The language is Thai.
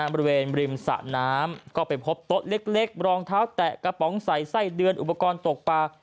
บริเวณริมสะน้ำก็ไปพบโต๊ะเล็กรองเท้าแตะกระป๋องใส่ไส้เดือนอุปกรณ์ตกปลา